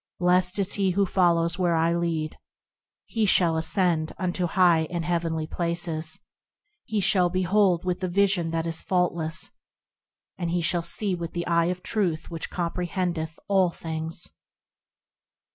Blessed is he who follows where I lead ; He shall ascend unto high and Heavenly Places; He shall behold with the vision that is faultless ; He shall see with the eye of truth which comprehendeth all things.